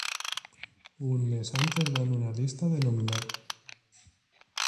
Un mes antes dan una lista de nominados.